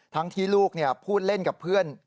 ที่ลูกพูดเล่นกับเพื่อน